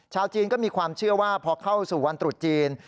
ชาวจีนก็มีความเชื่อว่าพอเข้าสู่วันตรุษจีน